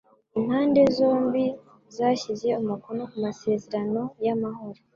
Impande zombi zashyize umukono ku masezerano y’amahoro.